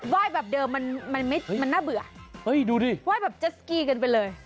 ว่ายแบบเดิมมันน่าเบื่อว่ายแบบจะสกี้กันไปเลย